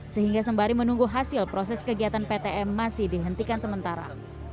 sehingga sembari menunggu hasil proses kegiatan ptm masih dihentikan sementara